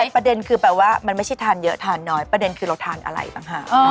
ประเด็นคือแปลว่ามันไม่ใช่ทานเยอะทานน้อยประเด็นคือเราทานอะไรต่างหาก